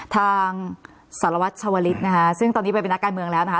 ทางสารวัตรชาวลิศนะคะซึ่งตอนนี้ไปเป็นนักการเมืองแล้วนะคะ